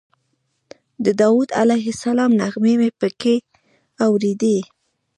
د داود علیه السلام نغمې مې په کې اورېدې.